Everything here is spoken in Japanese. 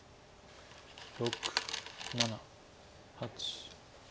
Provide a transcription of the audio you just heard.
６７８。